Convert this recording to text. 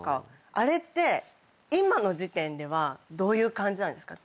あれって今の時点ではどういう感じなんですか？